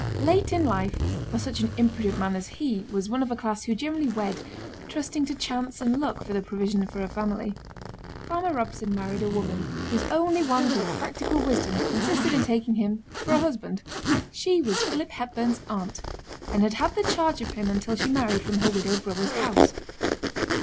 Late in life (for such an imprudent man as he, was one of a class who generally wed, trusting to chance and luck for the provision for a family), farmer Robson married a woman whose only want of practical wisdom consisted in taking him for a husband. She was Philip Hepburn's aunt, and had had the charge of him until she married from her widowed brother's house.